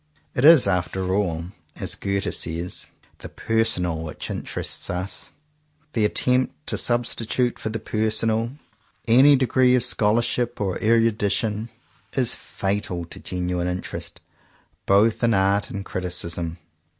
It is after all, as Goethe says, the personal which interests us. The attempt to sub stitute, for the personal, any degree of 17 CONFESSIONS OF TWO BROTHERS scholarship or erudition, is fatal to genuine interest, both in art and criticism.